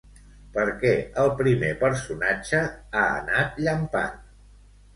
Per què el primer personatge ha anat llampant?